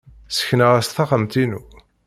Ssekneɣ-as taxxamt-inu.